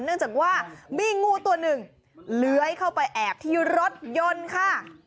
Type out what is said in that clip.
เนื่องจากว่ามีงูตัวหนึ่งเลื้อยเข้าไปแอบที่รถยนต์ค่ะ